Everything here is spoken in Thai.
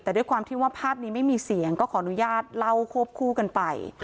แต่ด้วยความที่ว่าภาพนี้ไม่มีเสียงก็ขออนุญาตเล่าควบคู่กันไป